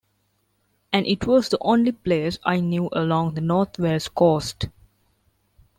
And it was the only place I knew along the north Wales coast.